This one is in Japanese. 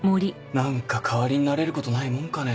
何か代わりになれることないもんかね。